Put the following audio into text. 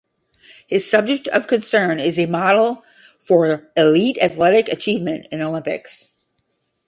His subject of concern is a model for elite athletic achievement in Olympics.